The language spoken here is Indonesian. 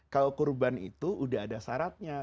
kalau kurban itu udah ada syaratnya